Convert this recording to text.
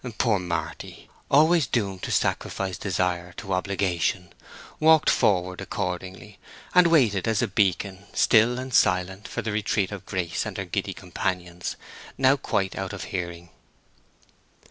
Poor Marty, always doomed to sacrifice desire to obligation, walked forward accordingly, and waited as a beacon, still and silent, for the retreat of Grace and her giddy companions, now quite out of hearing.